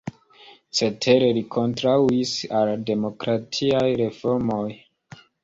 Cetere li kontraŭis al demokratiaj reformoj.